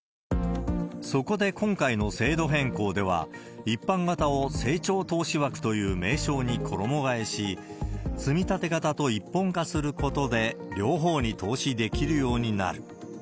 そこで、今回の制度変更では、一般型を成長投資枠という名称に衣替えし、つみたて型と一本化することで、両方に投資できるようになる。